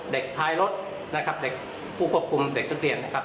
เด็กถ่ายรถนะครับ